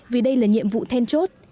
vì đây là nhiệm vụ then chốt